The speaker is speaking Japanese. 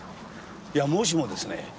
いやもしもですね